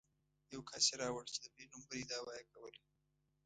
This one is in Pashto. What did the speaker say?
یو کس یې راوړ چې د پېغمبرۍ دعوه یې کوله.